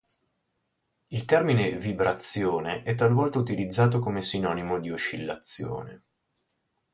Il termine "vibrazione" è talvolta utilizzato come sinonimo di oscillazione.